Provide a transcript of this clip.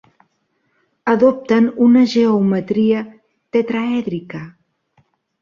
Adopten una geometria tetraèdrica.